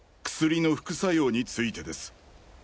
薬の副作用についてです。